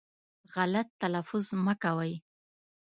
غلط تلفظ مه کوی